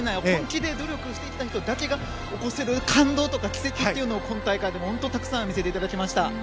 本気で努力してきた人だけが起こせる感動とか奇跡っていうのを今大会でもたくさん見せていただきました。